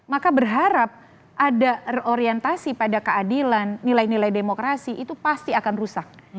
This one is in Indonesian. maka berharap ada reorientasi pada keadilan nilai nilai demokrasi itu pasti akan rusak